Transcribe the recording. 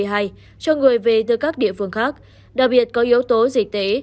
cho người về từ các địa phương khác đặc biệt có yếu tố dịch tễ